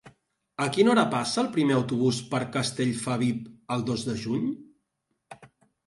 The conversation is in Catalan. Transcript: A quina hora passa el primer autobús per Castellfabib el dos de juny?